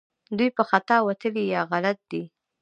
دوی په خطا وتلي یا غلط دي